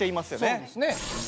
そうですね。